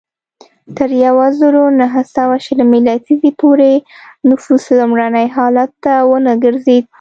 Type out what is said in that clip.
تر یوه زرو نهه سوه شلمې لسیزې پورې نفوس لومړني حالت ته ونه ګرځېد.